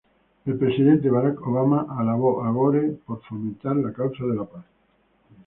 El presidente Barack Obama alabó a Gore por fomentar la causa de la paz.